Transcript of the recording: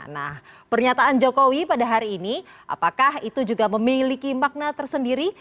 nah pernyataan jokowi pada hari ini apakah itu juga memiliki makna tersendiri